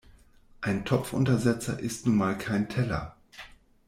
Ein Topfuntersetzer ist nun mal kein Teller.